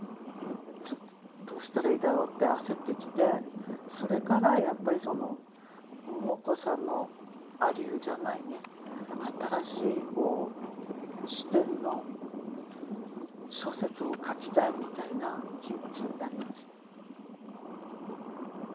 ちょっとどうしたらいいだろうって焦ってきてそれからやっぱりその桃子さんの亜流じゃないね新しい視点の小説を書きたいみたいな気持ちになりました。